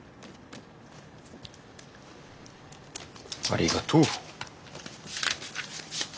ありがとう。